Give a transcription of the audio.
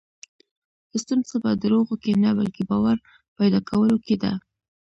ستونزه په دروغو کې نه، بلکې باور پیدا کولو کې ده.